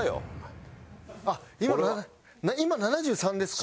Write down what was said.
今７３ですか？